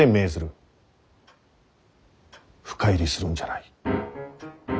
深入りするんじゃない。